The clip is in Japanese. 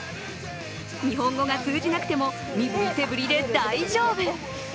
日本語が通じなくても身振り手振りで大丈夫。